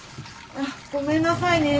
あっごめんなさいね。